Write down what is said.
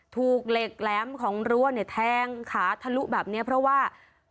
ถูกเหล็กแแล้มของรั้วแท้งขาทะลุอย่างนี้เพราะว่า